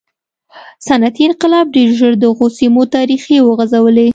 صنعتي انقلاب ډېر ژر دغو سیمو ته ریښې وغځولې.